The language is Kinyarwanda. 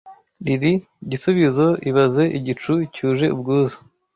Lili gisubizo ibaze igicu cyuje ubwuzu